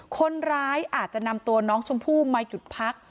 คนร้ายอาจจะนำตัวน้องชมพู่มาหยุดพัก